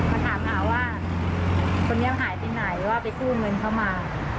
มาถามหาว่าคนนี้หายไปไหนว่าไปกู้เงินเข้ามา